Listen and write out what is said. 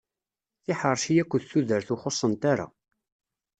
Tiḥerci aked tudert ur xuṣṣent ara.